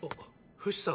フシさん。